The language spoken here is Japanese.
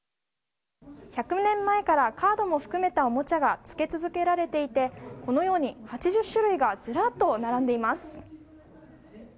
１００年前からカードも含めたおもちゃが付け続けられていてこのように８０種類がずらっと並んでいます。